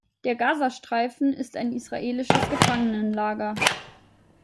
Der Gazastreifen ist ein israelisches Gefangenenlager!